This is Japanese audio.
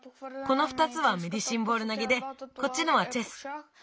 この２つはメディシンボールなげでこっちのはチェス。